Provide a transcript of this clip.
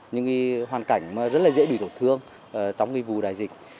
những hoàn cảnh rất dễ bị thổn thương trong vụ đại dịch